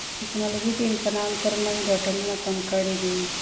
ټیکنالوژي د انسانانو ترمنځ واټنونه کم کړي دي.